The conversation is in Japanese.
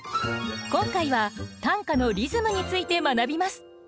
今回は短歌のリズムについて学びます。